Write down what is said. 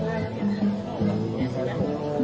สวัสดีครับทุกคน